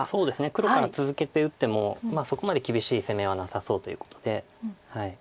黒から続けて打ってもそこまで厳しい攻めはなさそうということで。